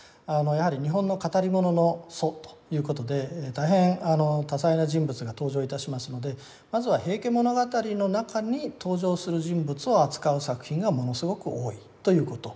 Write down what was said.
やはり日本の語り物の祖ということで大変多彩な人物が登場いたしますのでまずは「平家物語」の中に登場する人物を扱う作品がものすごく多いということ。